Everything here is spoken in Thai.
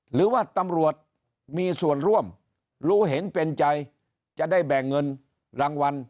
หรือว่าตำรวจมีส่วนร่วมรู้เห็นเป็นใจจะได้แบ่งเงินรางวัล